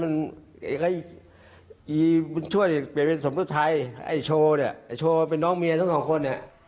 ไอ้โชว์เนี่ยไอ้โชว์เป็นน้องเมียทั้งสองคน